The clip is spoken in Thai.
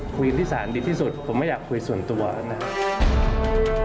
คุยที่ศาลดีที่สุดผมไม่อยากคุยส่วนตัวนะครับ